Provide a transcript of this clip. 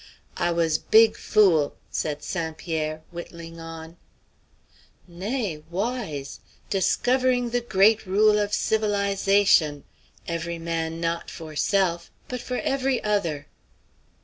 "I was big fool," said St. Pierre, whittling on. "Nay, wise! Discovering the great rule of civilize ation. Every man not for self, but for every other!"